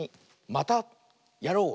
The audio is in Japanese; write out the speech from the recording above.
「またやろう！」。